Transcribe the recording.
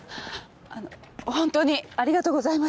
あの本当にありがとうございました。